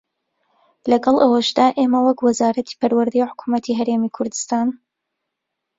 لەگەڵ ئەوەشدا ئێمە وەک وەزارەتی پەروەردەی حکوومەتی هەرێمی کوردستان